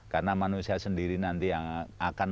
karena manusia sendiri nanti yang akan